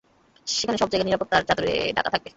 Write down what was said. সেখানে সবজায়গা নিরাপত্তার চাদরে ঢাকা থাকবে।